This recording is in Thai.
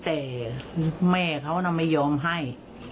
แต่แม่เขาน่ะไม่ยอมให้